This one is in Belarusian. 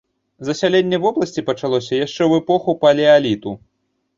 Засяленне вобласці пачалося яшчэ ў эпоху палеаліту.